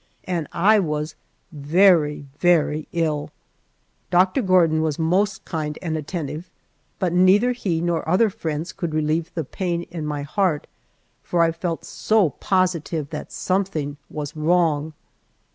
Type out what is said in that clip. And I was very, very ill! Doctor Gordon was most kind and attentive, but neither he nor other friends could relieve the pain in my heart, for I felt so positive that something was wrong.